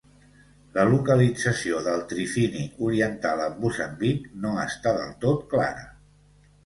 La localització del trifini oriental amb Moçambic no està del tot clara.